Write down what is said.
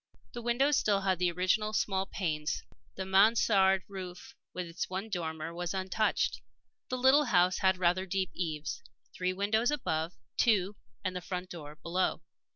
The windows had still the original small panes; the mansarde roof, with its one dormer, was untouched. The little house had rather deep eaves; three windows above; two, and the front door, below.